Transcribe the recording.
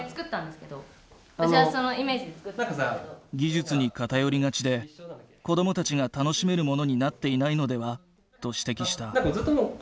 技術に偏りがちで子どもたちが楽しめるものになっていないのではと指摘した。